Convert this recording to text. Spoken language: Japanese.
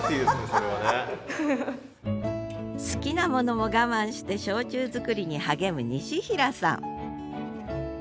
好きなものも我慢して焼酎造りに励む西平さん。